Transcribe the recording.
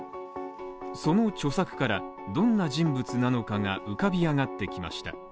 その著作から、どんな人物なのかが浮かび上がってきました。